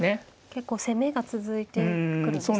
結構攻めが続いてくるんですね。